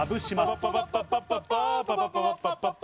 パパパパ！